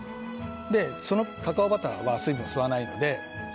そのカカオバターは水分を吸わないのでそ